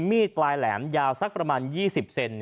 มีดปลายแหลมยาวสักประมาณ๒๐เซน